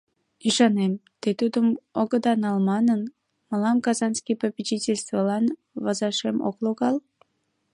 — Ӱшанем, те тудым огыда нал манын, мылам Казанский попечительствылан возашем ок логал?